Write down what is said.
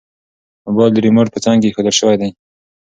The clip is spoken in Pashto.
موبایل د ریموټ په څنګ کې ایښودل شوی دی.